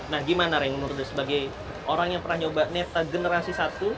nah gimana reng nur sebagai orang yang pernah nyoba neta generasi satu